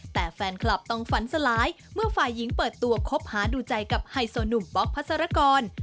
แต่แฟนคลับต้องฝันสลายเมื่อฝ่ายหญิงเปิดตัวคบหาดูใจกับไฮโซหนุ่มป๊อกพัสรกร